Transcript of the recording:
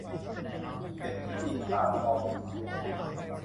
เศรษฐีตีนเปล่า - ว วินิจฉัยกุล